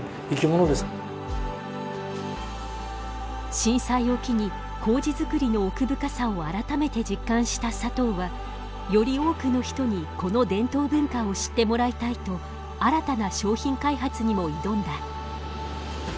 震災を機に麹づくりの奥深さを改めて実感した佐藤はより多くの人にこの伝統文化を知ってもらいたいと新たな商品開発にも挑んだ。